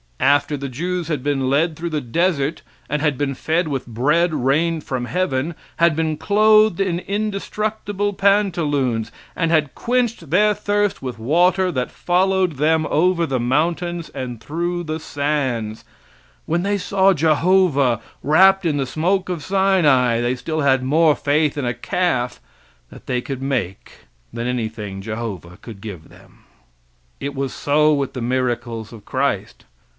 After the Jews had been lead through the desert and had been fed with bread rained from heaven, had been clothed in indestructible pantaloons, and had quenched their thirst with water that followed them over mountains and through sands; when they saw Jehovah wrapped in the smoke of Sinai they still had more faith in a calf that they could make than anything Jehovah could give them. It was so with the miracles of Christ.